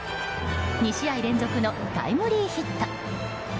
２試合連続のタイムリーヒット。